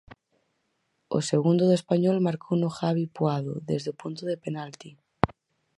O segundo do Español marcouno Javi Puado desde o punto de penalti.